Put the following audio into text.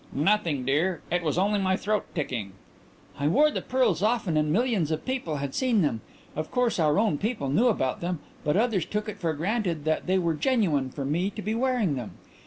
"Nothing, dear; it was only my throat ticking." "I wore the pearls often and millions of people had seen them. Of course our own people knew about them, but others took it for granted that they were genuine for me to be wearing them.